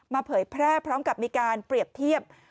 เผยแพร่พร้อมกับมีการเปรียบเทียบ